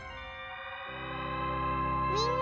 みんな！